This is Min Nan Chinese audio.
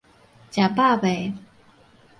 食飽袂